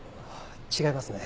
違いますね。